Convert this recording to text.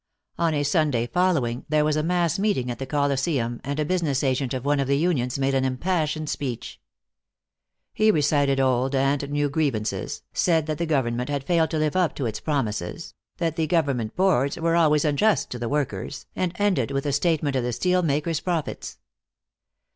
On a Sunday following, there was a mass meeting at the Colosseum, and a business agent of one of the unions made an impassioned speech. He recited old and new grievances, said that the government had failed to live up to its promises, that the government boards were always unjust to the workers, and ended with a statement of the steel makers' profits.